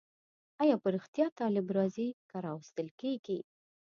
آیا په رښتیا طالب راځي که راوستل کېږي؟